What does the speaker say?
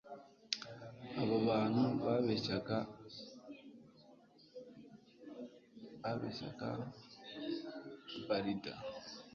Abo bantu babeshyaga nbarida.